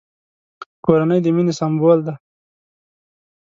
کورنۍ د مینې سمبول دی!